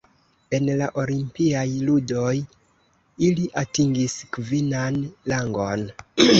En la Olimpiaj ludoj ili atingis kvinan rangon.